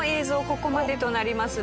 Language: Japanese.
ここまでとなります。